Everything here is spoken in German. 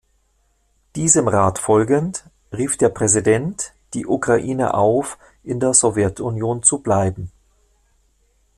Diesem Rat folgend, rief der Präsident die Ukraine auf, in der Sowjetunion zu bleiben.